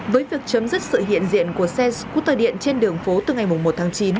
với việc chấm dứt sự hiện diện của xe scooter điện trên đường phố từ ngày một tháng chín